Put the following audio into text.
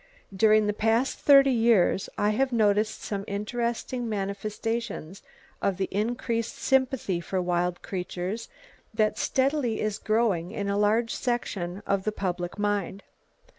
During the past thirty years, I have noticed some interesting manifestations of the increased sympathy for wild creatures that steadily is growing in a large section of the public mind.